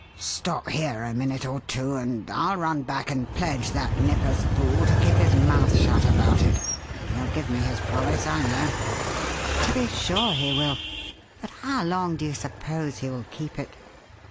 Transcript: Stop here a minute or two and I'll run back and pledge that Nippers fool to keep his mouth shut about it. He'll give me his promise, I know." "To be sure he will. But how long do you suppose he will keep it?